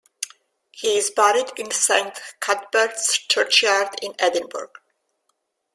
He is buried in Saint Cuthberts churchyard in Edinburgh.